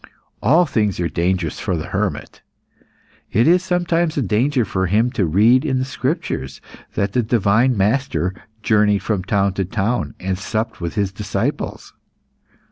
All things are dangerous for the hermit; it is sometimes a danger for him to read in the Scriptures that the Divine Master journeyed from town to town and supped with His disciples.